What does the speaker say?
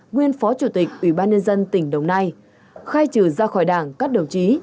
nguyên phó chủ tịch ủy ban nhân dân tỉnh đồng nai khai trừ ra khỏi đảng các đồng chí